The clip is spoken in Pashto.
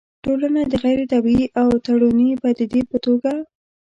ټولنه د غيري طبيعي او تړوني پديدې په توګه